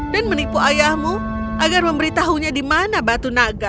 dan menipu ayahmu agar memberitahunya di mana batu naga